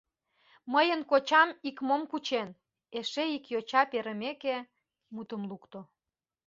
— Мыйын кочам икмом кучен! — эше ик йоча перымеке, мутым лукто.